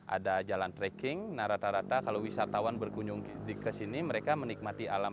ada jalan trekking narata rata kalau wisatawan berkunjung di kesini mereka menikmati alam